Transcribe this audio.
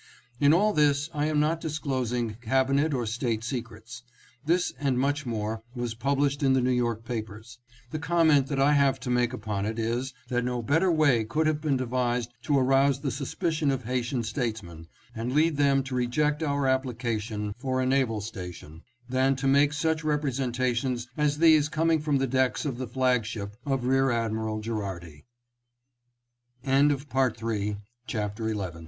In all this I am not dis closing Cabinet or State secrets. This and much more was published in the New York papers. The comment that I have to make upon it is, that no better way could have been devised to arouse the suspicion of Haitian statesmen and lead them to reject our application for i& naval station, than to make such representations as these coming from the decks of the flag ship of Rear Admiral Gherardi.